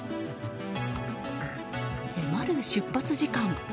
迫る出発時間。